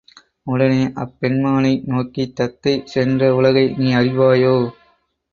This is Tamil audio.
உடனே அப்பெண் மானை நோக்கித் தத்தை சென்ற உலகை நீ அறிவாயோ?